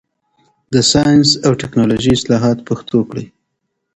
د ساینس او ټکنالوژۍ اصطلاحات پښتو کړئ.